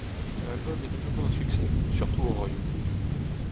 L'album est de nouveau un succès, surtout au Royaume-Uni.